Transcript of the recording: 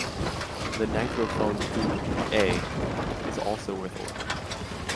The "NitroPhone two a" is also worth a look.